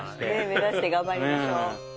目指して頑張りましょう。